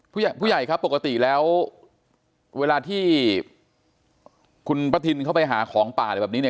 ผู้ใหญ่ผู้ใหญ่ครับปกติแล้วเวลาที่คุณประทินเข้าไปหาของป่าอะไรแบบนี้เนี่ย